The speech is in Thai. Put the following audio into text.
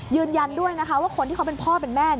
ยืนยันด้วยนะคะว่าคนที่เขาเป็นพ่อเป็นแม่